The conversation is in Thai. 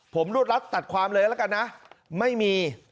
ผมรวดรัดตัดความเลยละกันนะไม่มี